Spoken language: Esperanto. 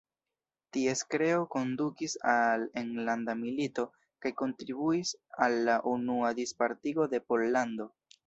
Ties kreo kondukis al enlanda milito kaj kontribuis al la Unua Dispartigo de Pollando.